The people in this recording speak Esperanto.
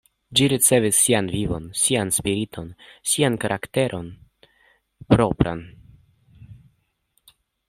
Ĝi ricevis sian vivon, sian spiriton, sian karakteron propran.